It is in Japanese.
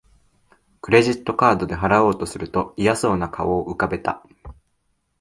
クレジットカードで払おうとすると嫌そうな顔を浮かべた